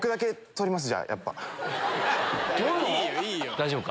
大丈夫か？